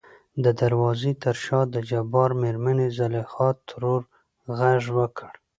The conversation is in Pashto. د دروازې تر شا دجبار مېرمنې زليخا ترور غږ وکړ .